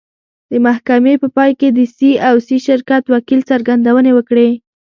د محکمې په پای کې د سي او سي شرکت وکیل څرګندونې وکړې.